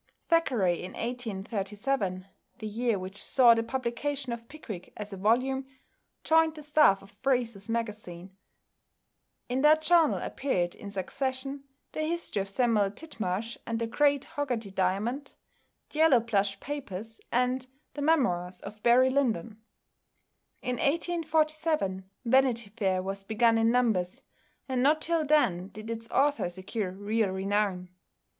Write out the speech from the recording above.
Thackeray in 1837 the year which saw the publication of "Pickwick" as a volume joined the staff of Fraser's Magazine. In that journal appeared in succession "The History of Samuel Titmarsh and the Great Hoggarty Diamond," "The Yellowplush Papers," and "The Memoirs of Barry Lyndon." In 1847 "Vanity Fair" was begun in numbers, and not till then did its author secure real renown.